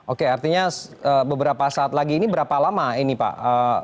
oke artinya beberapa saat lagi ini berapa lama ini pak